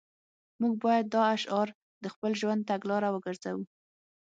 موږ باید دا شعار د خپل ژوند تګلاره وګرځوو